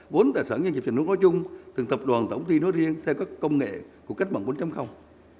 vốn tài sản và dịch sửa nước nói chung từng tập đoàn tổng ty nói riêng theo các công nghệ của cách mạng bốn